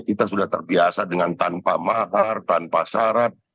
kita sudah terbiasa dengan tanpa mahar tanpa syarat